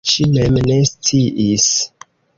Ŝi mem ne sciis.